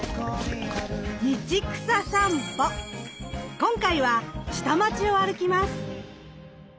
今回は下町を歩きます。